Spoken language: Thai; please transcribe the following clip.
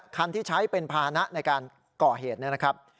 คันที่ใช้เป็นภานะในการก่อเหตุนะครับ